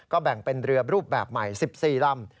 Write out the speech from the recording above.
แบ่งเป็นเรือรูปแบบใหม่๑๔ลำ